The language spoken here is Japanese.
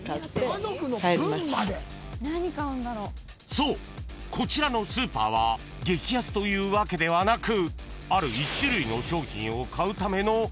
［そうこちらのスーパーは激安というわけではなく］